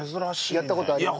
やった事あります？